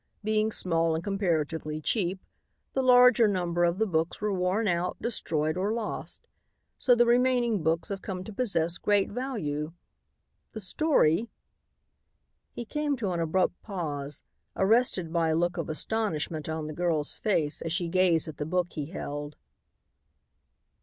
Being small and comparatively cheap, the larger number of the books were worn out, destroyed or lost. So the remaining books have come to possess great value. The story " He came to an abrupt pause, arrested by a look of astonishment on the girl's face, as she gazed at the book he held.